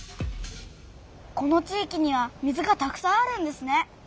この地いきには水がたくさんあるんですね。